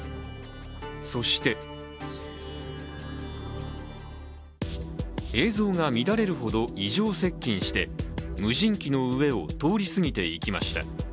そして映像が乱れるほど異常接近して無人機の上を通り過ぎていきました。